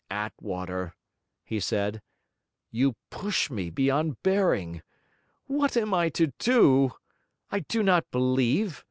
'Attwater,' he said, 'you push me beyond bearing. What am I to do? I do not believe.